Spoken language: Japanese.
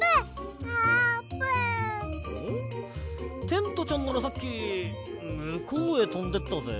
テントちゃんならさっきむこうへとんでったぜ。